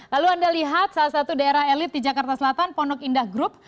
lalu anda lihat salah satu daerah elit di jakarta selatan pondok indah group